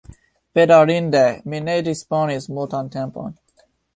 Bedaŭrinde, mi ne disponis multan tempon.